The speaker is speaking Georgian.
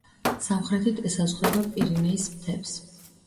სამხრეთით ესაზღვრება პირინეის მთებს.